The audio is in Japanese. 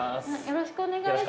よろしくお願いします